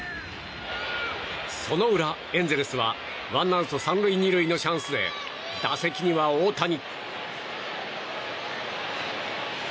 その裏、エンゼルスはワンアウト３塁２塁のチャンスで打席には、大谷。